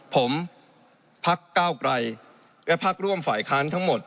ผมพักเก้าไกรและพักร่วมฝ่ายค้านทั้งหมด